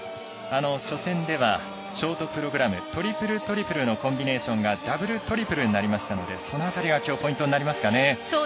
初戦ではショートプログラムトリプル、トリプルのコンビネーションがダブル、トリプルになりましたのでその辺りがきょうはポイントになりますかね。